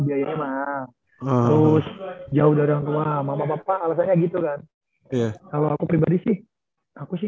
biayanya mahal terus jauh dari orang tua mama papa alasannya gitu kan kalau aku pribadi sih aku sih